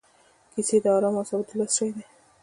کیسې د ارامو اعصابو د لوست شی دی.